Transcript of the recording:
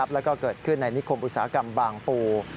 แล้วก็เกิดขึ้นในนิคมอุตสาหกรรมบางปู